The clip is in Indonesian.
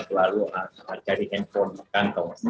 selalu cari handphone kantong